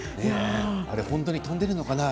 あれ本当に飛んでるのかな